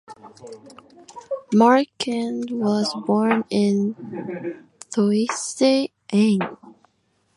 Marchand was born in Thoissey, Ain.